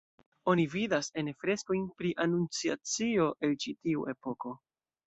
Oni vidas ene freskojn pri anunciacio el ĉi tiu epoko.